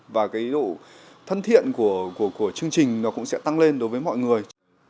và cái độ thân thiện của chương trình nó cũng sẽ tăng lên đối với mọi người